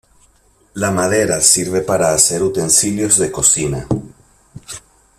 La madera sirve para hacer utensilios de cocina.